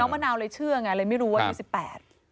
มะนาวเลยเชื่อไงเลยไม่รู้ว่าอายุสิบแปด